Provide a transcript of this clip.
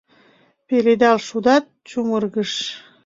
Пеледал шудат, чумыргыш